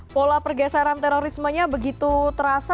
pola pergeseran terorismenya begitu terasa